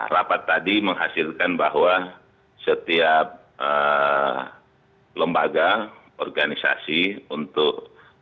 rapat tadi menghasilkan bahwa setiap lembaga organisasi untuk